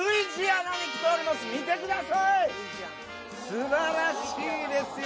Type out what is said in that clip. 素晴らしいですよ